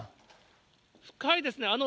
深いですね。